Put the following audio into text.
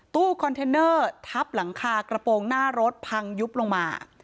ตู้คอนเทนเนอร์ทับหลังคากระโปรงหน้ารถพังยุบลงมา